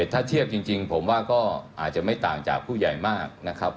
ถ้าเทียบจริงผมว่าก็อาจจะไม่ต่างจากผู้ใหญ่มากนะครับ